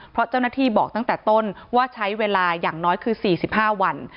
เพราะเจ้าหน้าที่บอกตั้งแต่ต้นว่าใช้เวลาอย่างน้อยคือ๔๕วัน